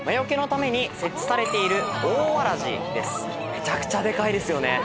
めちゃくちゃでかいですよね。